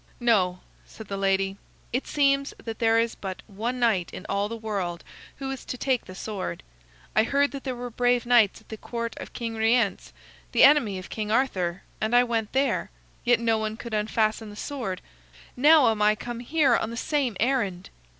"No," said the lady. "It seems that there is but one knight in all the world who is to take the sword. I heard that there were brave knights at the Court of King Rience, the enemy of King Arthur, and I went there. Yet no one could unfasten the sword. Now am I come here on the same errand."